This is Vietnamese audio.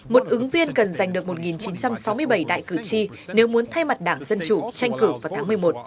một ứng viên cần giành được một chín trăm sáu mươi bảy đại cử tri nếu muốn thay mặt đảng dân chủ tranh cử vào tháng một mươi một